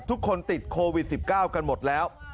ทุกคนติดโควิด๑๙กันหมดแล้ว